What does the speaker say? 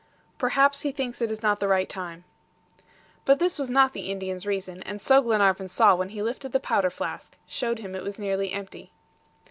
"Perhaps he thinks it is not the right time." But this was not the Indian's reason, and so Glenarvan saw when he lifted the powder flask, showed him it was nearly empty.